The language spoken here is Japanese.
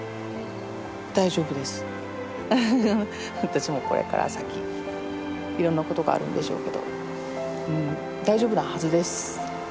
私もこれから先いろんなことがあるんでしょうけど大丈夫なはずです。